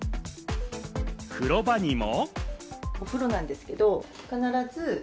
風呂場にも。